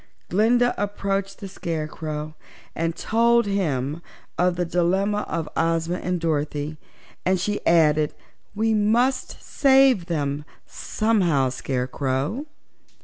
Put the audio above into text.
Glinda approached the Scarecrow and told him of the dilemma of Ozma and Dorothy and she added: "We must save them, somehow, Scarecrow."